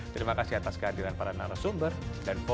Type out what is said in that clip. terima kasih atas keadilan para narasumber dan forum